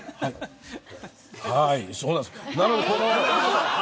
はあい、そうなんです。